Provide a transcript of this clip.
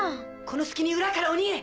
この隙に裏からお逃げ！